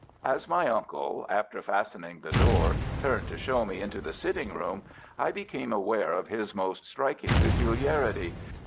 As my uncle, after fastening the door, turned to show me into the sitting room, I became aware of his most striking peculiarity.